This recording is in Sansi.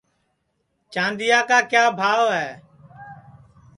چاندیا کا کیا بھاو ہے